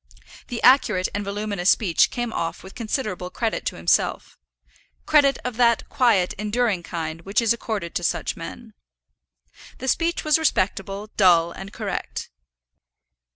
The accurate and voluminous speech came off with considerable credit to himself, credit of that quiet, enduring kind which is accorded to such men. The speech was respectable, dull, and correct.